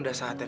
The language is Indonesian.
tuh kan mini